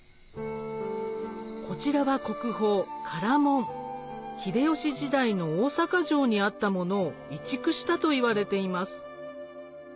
こちらは国宝秀吉時代の大坂城にあったものを移築したといわれています